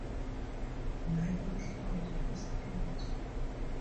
Mike cleared his throat.